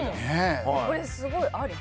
これ、すごいあり。